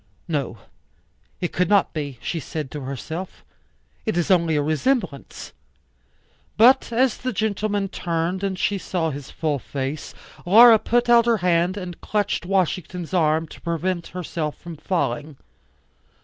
No. It could not be, she said to herself. It is only a resemblance. But as the gentleman turned and she saw his full face, Laura put out her hand and clutched Washington's arm to prevent herself from falling.